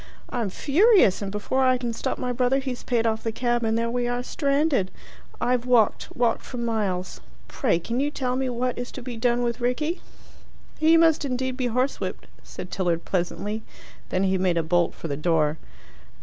I'm furious, and before I can stop my brother, he's paid off the cab and there we are stranded. I've walked walked for miles. Pray can you tell me what is to be done with Rickie?" "He must indeed be horsewhipped," said Tilliard pleasantly. Then he made a bolt for the door.